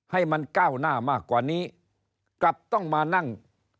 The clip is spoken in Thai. ให้มันก้าวหน้ามากกว่านี้กลับต้องมานั่ง